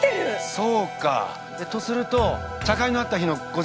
そうか。とすると茶会のあった日の午前中だ。